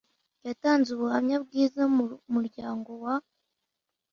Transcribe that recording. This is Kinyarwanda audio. yatanze ubuhamya bwiza mu muryango wa uebr